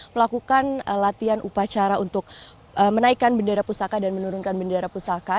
melakukan latihan upacara untuk menaikkan bendera pusaka dan menurunkan bendera pusaka